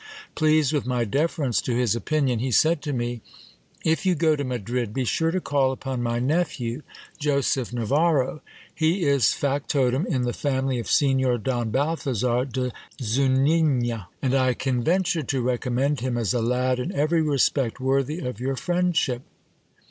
Pleased with my deference to his opinion, he said to me : If you go to Madrid, be sure you call upon my nephew, Joseph Navarro. He is factotum in the family of Signor Don Balthazar de Zunigna, and I can venture to recommend him as a lad in every respect worthy of your friendship.